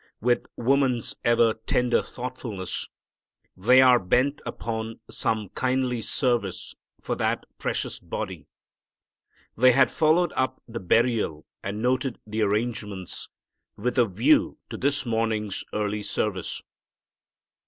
With woman's ever tender thoughtfulness they are bent upon some kindly service for that precious body. They had followed up the burial and noted the arrangements with a view to this morning's early service.